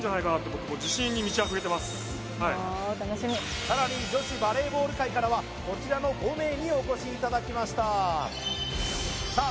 僕もうさらに女子バレーボール界からはこちらの５名におこしいただきましたさあ